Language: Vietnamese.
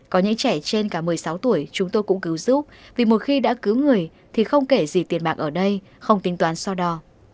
có những trẻ trên cả một mươi sáu tuổi chúng tôi cũng cứu giúp vì một khi đã cứu người thì không kể gì tiền mạng ở đây không tính toán so đo